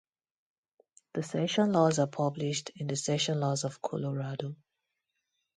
The session laws are published in the "Session Laws of Colorado".